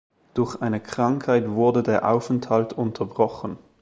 Durch eine Krankheit wurde der Aufenthalt unterbrochen.